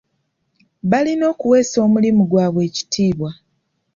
Balina okuweesa omulimu gwabwe ekitiibwa.